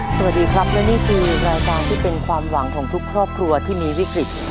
สวัสดีครับและนี่คือรายการที่เป็นความหวังของทุกครอบครัวที่มีวิกฤต